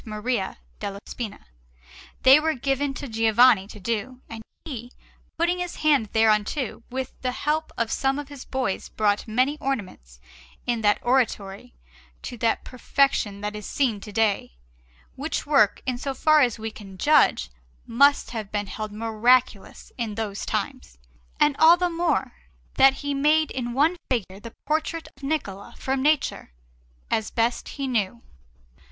Maria della Spina, they were given to Giovanni to do, and he, putting his hand thereunto, with the help of some of his boys brought many ornaments in that oratory to that perfection that is seen to day; which work, in so far as we can judge, must have been held miraculous in those times, and all the more that he made in one figure the portrait of Niccola from nature, as best he knew.